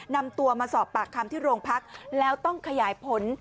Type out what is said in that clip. นำตัวมาสอบปากคำที่โรงพักแล้วต้องขยายผล